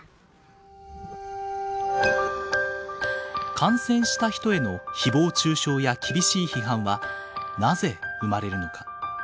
感染した人へのひぼう中傷や厳しい批判はなぜ生まれるのか。